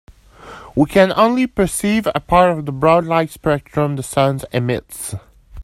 We can only perceive a part of the broad light spectrum the sun emits.